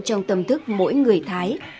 trong tầm thức mỗi người thái